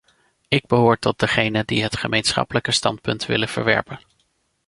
Ik behoor tot degenen die het gemeenschappelijke standpunt willen verwerpen.